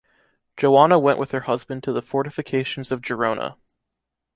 Joana went with her husband to the fortifications of Girona.